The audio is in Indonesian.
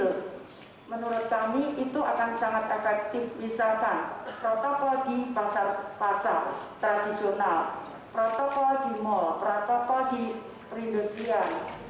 betul menurut kami itu akan sangat efektif misalkan protokol di pasar tradisional protokol di mal protokol di perindustrian